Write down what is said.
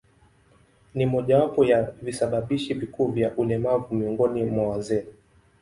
Ni mojawapo ya visababishi vikuu vya ulemavu miongoni mwa wazee.